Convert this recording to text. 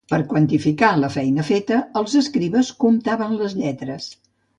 Per quantificar la feina feta els escribes comptaven les lletres.